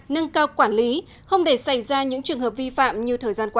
nâng cao quản lý không để xảy ra những trường hợp vi phạm như thời gian qua